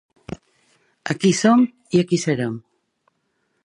Aquí som i aquí serem.